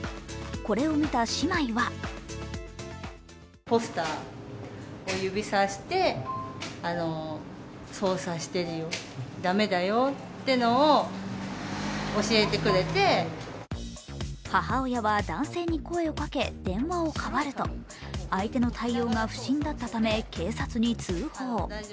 これを見た姉妹は母親は男性に声をかけ電話を変わると相手の対応が不審だったため警察に通報。